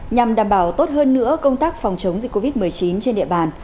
nhằm đảm bảo tốt hơn nữa công tác phòng chống dịch covid một mươi chín trên địa bàn